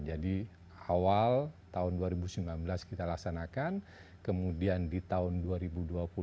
jadi awal tahun dua ribu sembilan belas kita laksanakan kemudian di tahun dua ribu dua puluh kita kembali laksanakan